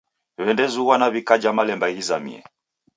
W'edezughwa na w'ikaja malemba ghizamie.